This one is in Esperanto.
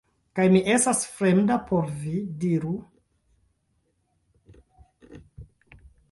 Kaj mi estas fremda por vi, diru?